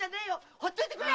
放っといてくれ！